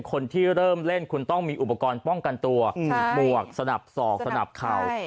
คนที่เริ่มเล่นคุณต้องมีอุปกรณ์ป้องกันตัวหมวกสนับสอกสนับเข่า